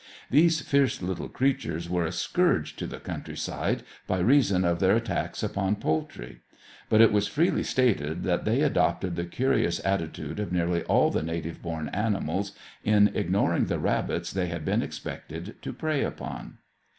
These fierce little creatures were a scourge to the countryside by reason of their attacks upon poultry; but it was freely stated that they adopted the curious attitude of nearly all the native born animals in ignoring the rabbits they had been expected to prey upon.